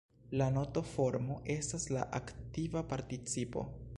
La nt-formo estas la aktiva participo.